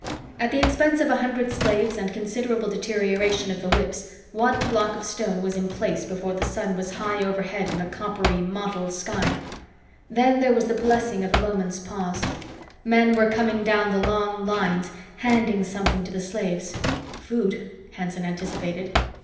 At the expense of a hundred slaves and considerable deterioration of the whips, one block of stone was in place before the sun was high overhead in the coppery, mottled sky. Then there was the blessing of a moment's pause. Men were coming down the long lines, handing something to the slaves. Food, Hanson anticipated.